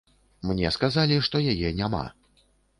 Мне сказалі, што яе няма.